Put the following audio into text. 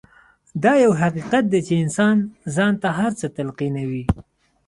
دا يو حقيقت دی چې انسان ځان ته هر څه تلقينوي.